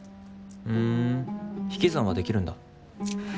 ふん引き算はできるんだ。